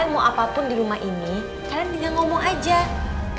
mama sakit mah